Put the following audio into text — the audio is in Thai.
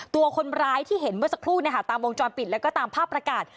ตัวคนร้ายที่เห็นเมื่อสักครู่ตามวงจรปิดแล้วก็ตามภาพประกาศ